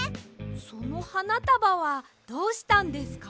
そのはなたばはどうしたんですか？